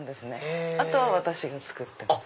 あと私が作ってます。